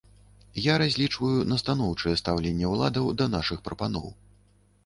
Я разлічваю на станоўчае стаўленне ўладаў да нашых прапаноў.